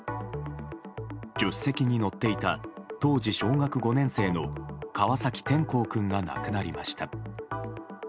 助手席に乗っていた当時小学５年生の川崎辿皇君が亡くなりました。